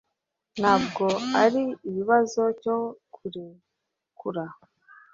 ntabwo ari ikibazo cyo kurekura